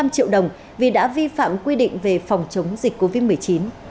năm triệu đồng vì đã vi phạm quy định về phòng chống dịch covid một mươi chín